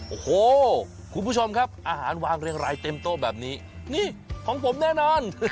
โอ้โหคุณผู้ชมครับอาหารวางเรียงรายเต็มโต๊ะแบบนี้นี่ของผมแน่นอน